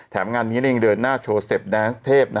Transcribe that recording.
แถมงานนี้ยังเดินหน้าโชว์เสพนางเทพ